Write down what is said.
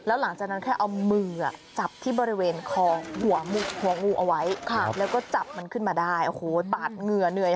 เอามือจับที่บริเวณของหัวงูเอาไว้เห้ย